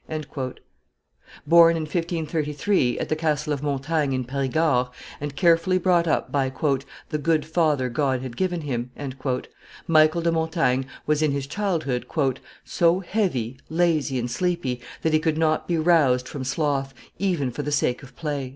Born in 1533, at the castle of Montaigne in Perigord, and carefully brought up by "the good father God had given him," Michael de Montaigne was, in his childhood, "so heavy, lazy, and sleepy, that he could not be roused from sloth, even for the sake of play."